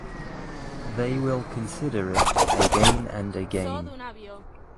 They will consider it again and again.